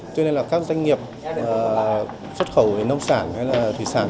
cho nên là các doanh nghiệp xuất khẩu nông sản hay là thủy sản